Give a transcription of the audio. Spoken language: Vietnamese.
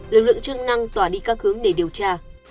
lực lượng chức năng tỏa đi các hướng để điều tra